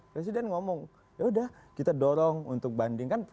presiden ngomong yaudah kita dorong untuk bandingkan